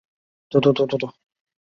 现为爆炸戏棚创办人及艺术总监。